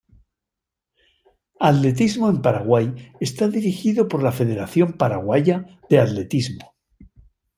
Atletismo en Paraguay está dirigido por la Federación Paraguaya de Atletismo.